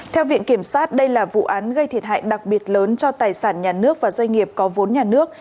theo viện kiểm sát đây là vụ án gây thiệt hại đặc biệt lớn cho tài sản nhà nước và doanh nghiệp có vốn nhà nước